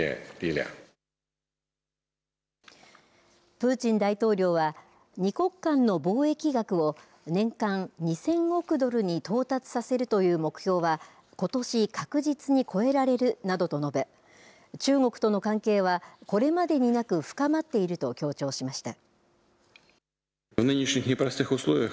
プーチン大統領は、２国間の貿易額を年間２０００億ドルに到達させるという目標は、ことし確実に超えられるなどと述べ、中国との関係はこれまでになく深まっていると強調しました。